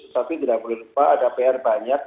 tapi tidak boleh lupa ada pr banyak